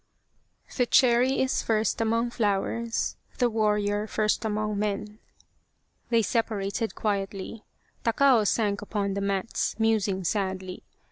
The cherry is first among flowers : The warrior first among men." They separated quietly. Takao sank upon the mats, musing sadly.